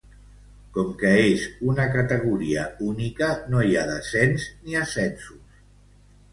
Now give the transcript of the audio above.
Com que és una categoria única no hi ha descens ni ascensos.